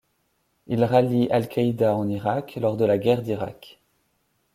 Il rallie al-Qaïda en Irak lors de la guerre d'Irak.